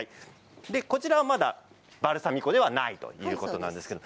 こちらは、まだバルサミコではないということです。